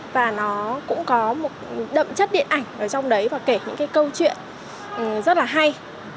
và nó cũng có một đậm chất điện ảnh ở trong đấy và kể những cái câu chuyện rất là hay